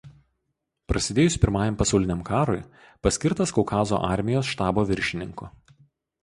Prasidėjus Pirmajam pasauliniam karui paskirtas Kaukazo armijos štabo viršininku.